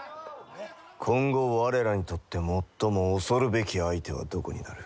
今後我らにとって最も恐るべき相手はどこになる？